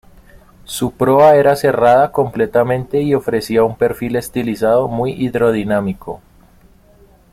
Su proa era cerrada completamente y ofrecía un perfil estilizado muy hidrodinámico.